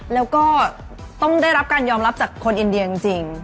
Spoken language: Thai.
แล้วก็ต้องได้รับการยอมรับจากคนอินเดียจริง